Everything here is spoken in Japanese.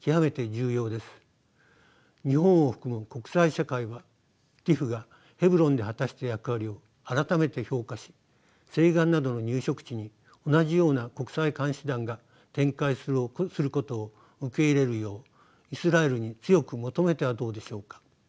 日本を含む国際社会はＴＩＰＨがヘブロンで果たした役割を改めて評価し西岸などの入植地に同じような国際監視団が展開することを受け入れるようイスラエルに強く求めてはどうでしょうか。